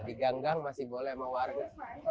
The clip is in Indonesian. di ganggang masih boleh sama warga